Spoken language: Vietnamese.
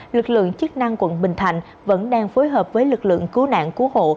lực lượng chức năng quận bình thạnh vẫn đang phối hợp với lực lượng cứu nạn cứu hộ